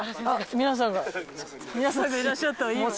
皆さんがいらっしゃったわ。